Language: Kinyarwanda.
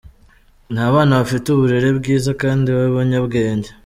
Ni abana bafite uburere bwiza kandi b’abanyabwenge.